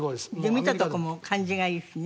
見たとこも感じがいいしね。